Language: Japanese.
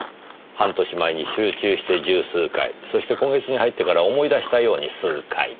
半年前に集中して十数回そして今月に入ってから思い出したように数回。